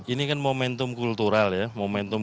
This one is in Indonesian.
ini kan momentum kultural ya momentum